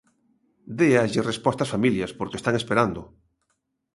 Déalles resposta ás familias, porque están esperando.